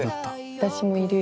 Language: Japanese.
私もいるよ